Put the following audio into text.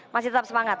masih tetap semangat